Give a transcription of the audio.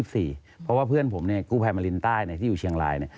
เพราะว่าเพื่อนผมกู้ภัยมารินใต้ที่อยู่เชียงราย